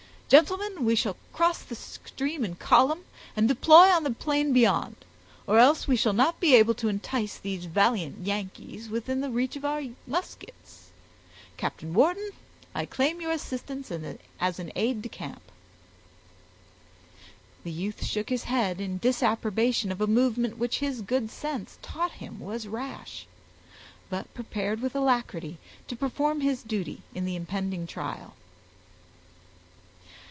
"Gentlemen, we will cross the stream in column, and deploy on the plain beyond, or else we shall not be able to entice these valiant Yankees within the reach of our muskets. Captain Wharton, I claim your assistance as an aid de camp." The youth shook his head in disapprobation of a movement which his good sense taught him was rash, but prepared with alacrity to perform his duty in the impending trial.